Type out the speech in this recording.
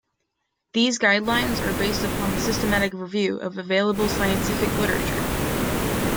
These guidelines are based upon a systematic review of available scientific literature.